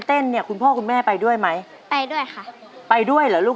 เหมือนหนอนอะไรจริง